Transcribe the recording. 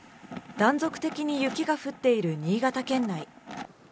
断続的に雪が降っている新潟県内。